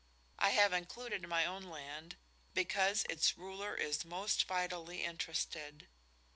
I have included my own land because its ruler is most vitally interested.